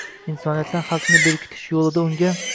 Insoniyatdan haqni berkitish yo‘lida unga